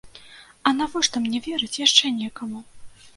А навошта мне верыць яшчэ некаму?